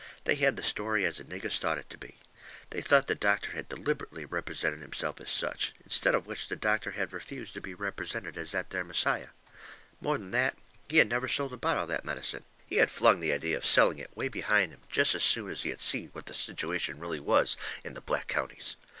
They had the story as the niggers thought it to be. They thought the doctor had deliberately represented himself as such, instead of which the doctor had refused to be represented as that there Messiah. More than that, he had never sold a bottle of that medicine. He had flung the idea of selling it way behind him jest as soon as he seen what the situation really was in the black counties.